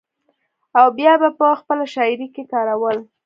او بيا به پۀ خپله شاعرۍ کښې کارول ۔